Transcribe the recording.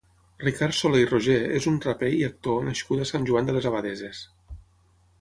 Ricard Soler i Roger és un raper i actor nascut a Sant Joan de les Abadesses.